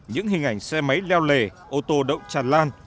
những hình ảnh xe máy leo lề ô tô đậu tràn lan